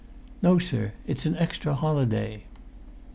"No, sir, it's an extra holiday."